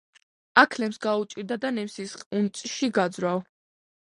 აქლემს გაუჭირდა და ნემსის ყუნწში გაძვრაო,